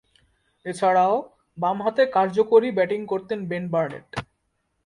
এছাড়াও, বামহাতে কার্যকরী ব্যাটিং করতেন বেন বার্নেট।